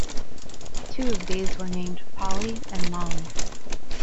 Two of these were named Polly and Molly.